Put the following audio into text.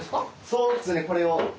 そうですねこれを。